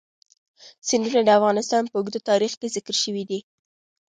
سیندونه د افغانستان په اوږده تاریخ کې ذکر شوی دی.